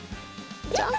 ジャンプ！